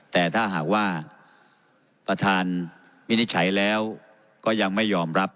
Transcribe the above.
แต่ถ้าหากว่าประธานวินิจฉัยแล้วก็ยังไม่ยอมรับ